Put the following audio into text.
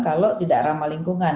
kalau tidak ramah lingkungan